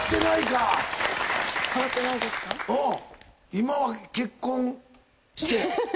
今は結婚して？